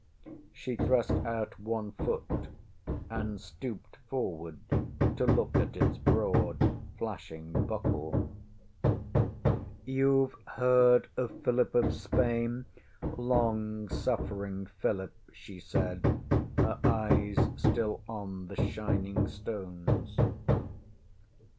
ŌĆÖ She thrust out one foot, and stooped forward to look at its broad flashing buckle. ŌĆśYouŌĆÖve heard of Philip of Spain long suffering Philip, ŌĆÖ she said, her eyes still on the shining stones.